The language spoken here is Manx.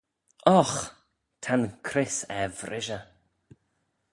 Ogh! Ta'n cryss er vrishey.